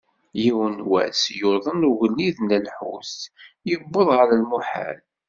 Yiwen n wass, yuḍen ugellid n lḥut, yewweḍ γer lmuḥal.